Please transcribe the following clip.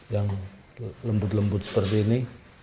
yang lembut lembut seperti ini